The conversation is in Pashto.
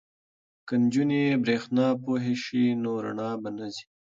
که نجونې بریښنا پوهې شي نو رڼا به نه ځي.